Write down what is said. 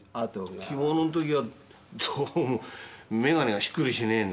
着物の時はどうも眼鏡がしっくりしねえんで。